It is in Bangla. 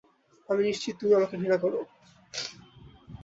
আমি নিশ্চিত তুমি আমাকে ঘৃণা করো।